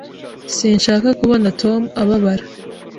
Sinshaka kubona Tom ababara.